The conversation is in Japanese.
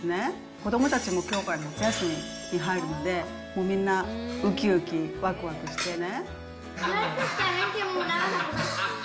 子どもたちもきょうから夏休みに入るので、もうみんなうきうきわくわくしてね。